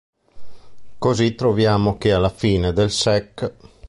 Così, troviamo che dalla fine del sec.